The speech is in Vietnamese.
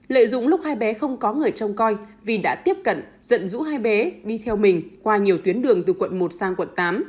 lợi dụng lúc hai bé không có người trông coi vi đã tiếp cận dẫn dũ hai bé đi theo mình qua nhiều tuyến đường từ quận một sang quận tám